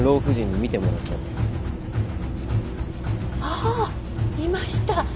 ああいました。